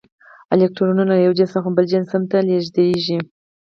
الکترونونه له یو جسم څخه بل جسم ته لیږدیږي.